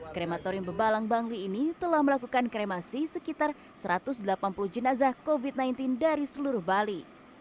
krematorium bebalang bangli ini telah melakukan kremasi sekitar satu ratus delapan puluh jenazah covid sembilan belas dari seluruh bali